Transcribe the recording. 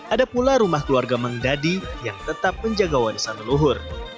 ada pula rumah keluarga mengdadi yang tetap menjaga warisan leluhur